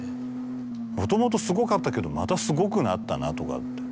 もともとすごかったけどまたすごくなったなとかって。